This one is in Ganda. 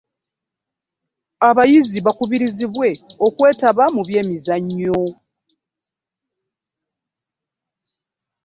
Abayizi bakubirizibwe okwetaba mu by'emizannyo.